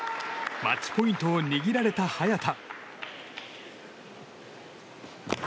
マッチポイントを握られた早田。